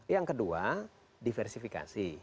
yang kedua diversifikasi